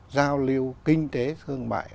giao lưu kinh tế thương mại